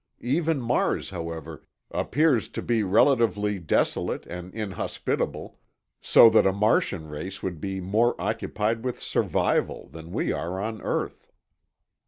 Even Mars, however, appears to be relatively desolate and inhospitable, so that a Martian race would be more occupied with survival than we are on Earth.